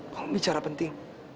kamu bicara penting